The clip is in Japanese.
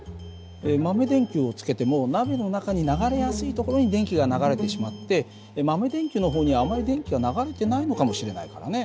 豆電球をつけても鍋の中に流れやすいところに電気が流れてしまって豆電球の方にはあまり電気は流れてないのかもしれないからね。